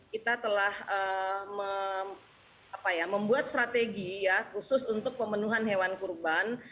kita telah membuat strategi ya khusus untuk pemenuhan hewan kurban